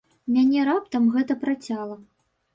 Мяне раптам гэта працяла.